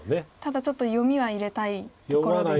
ただちょっと読みは入れたいところですか。